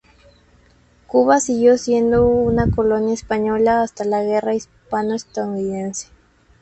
Cuba siguió siendo una colonia española hasta la Guerra hispano-estadounidense.